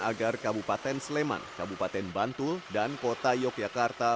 agar kabupaten sleman kabupaten bantul dan kota yogyakarta